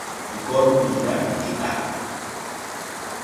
Ndi gor bii la, ndi joo da.